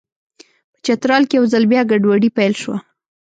په چترال کې یو ځل بیا ګډوډي پیل شوه.